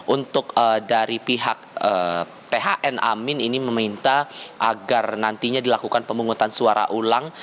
untuk dari pihak thn amin ini meminta agar nantinya dilakukan pemungutan suara ulang